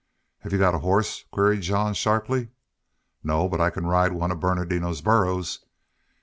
"Have you got a horse?" queried Jean, sharply. "No. But I can ride one of Bernardino's burros."